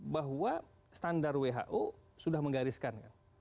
bahwa standar who sudah menggariskan kan